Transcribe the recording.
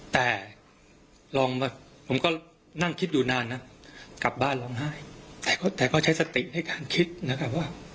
แต่ลองมาผมก็นั่งคิดอยู่นานนะกลับบ้านร้องไห้แต่ก็ใช้สติให้การคิดนะครับว่า